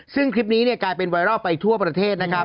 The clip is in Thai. ซึ่งคลิปนี้กลายเป็นไวรัลไปทั่วประเทศนะครับ